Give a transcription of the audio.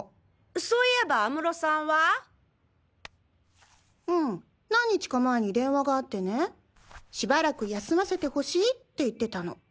そういえば安室さんは？うん何日か前に電話があってねしばらく休ませてほしいって言ってたの。